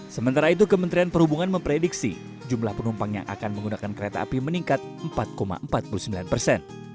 sementara itu kementerian perhubungan memprediksi jumlah penumpang yang akan menggunakan kereta api meningkat empat empat puluh sembilan persen